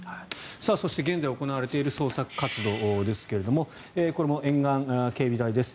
そして、現在行われている捜索活動ですがこれも沿岸警備隊です。